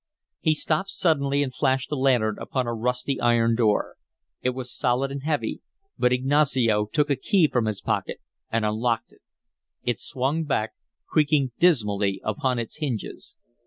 He stopped suddenly and flashed the lantern upon a rusty iron door. It was solid and heavy, but Ignacio took a key from his pocket and unlocked it. It swung back, creaking dismally upon its hinges.